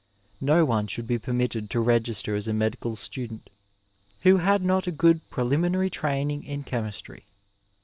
No one should be permitted to register as a medical student who had not a good preliminary training in chemistry.